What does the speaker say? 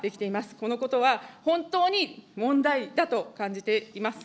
このことは、本当に問題だと感じています。